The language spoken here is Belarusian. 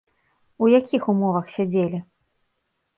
У якіх умовах сядзелі?